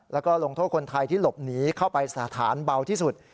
แล้วก็ลงโทษคนไทยที่หลบหนีเข้าไปสถานเบาที่สุด